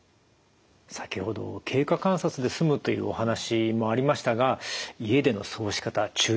先ほど経過観察で済むというお話もありましたが家での過ごし方注意点いかがでしょう。